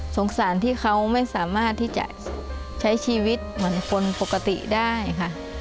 สงสารที่เขาไม่สามารถที่จะใช้ชีวิตเหมือนคนปกติได้ค่ะ